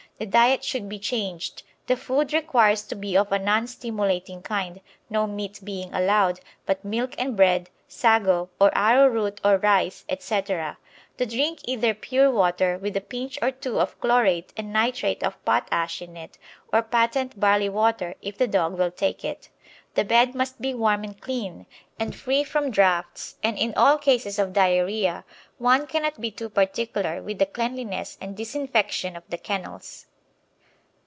The diet should be changed; the food requires to be of a non stimulating kind, no meat being allowed, but milk and bread, sago, or arrowroot or rice, etc. The drink either pure water, with a pinch or two of chlorate and nitrate of potash in it, or patent barley water if the dog will take it. The bed must be warm and clean, and free from draughts, and, in all cases of diarrhoea, one cannot be too particular with the cleanliness and disinfection of the kennels.